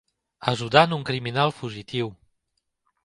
Ajudant un criminal fugitiu.